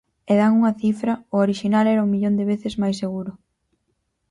E dan unha cifra: o orixinal era "un millón de veces" máis seguro.